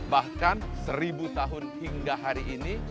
bahkan seribu tahun hingga hari ini